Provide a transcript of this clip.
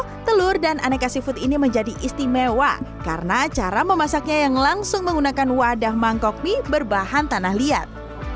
nah telur dan aneka seafood ini menjadi istimewa karena cara memasaknya yang langsung menggunakan wadah mangkok mie berbahan tanah liat